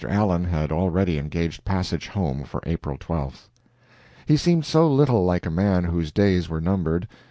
Allen had already engaged passage home for April 12th. He seemed so little like a man whose days were numbered.